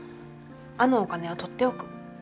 あのお金は取っておく。